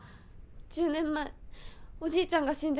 １０年前おじいちゃんが死んで